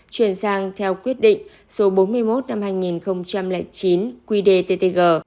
chuyển sang theo quyết định số bốn mươi một năm hai nghìn chín quy đề ttg